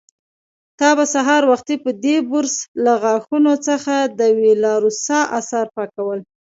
تا به سهار وختي په دې برس له غاښونو څخه د وېلاروسا آثار پاکول.